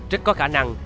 rất có khả năng